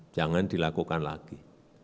jangan dilakukan lagi